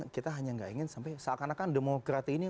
kita hanya gak ingin sampai seakan akan demokrat ini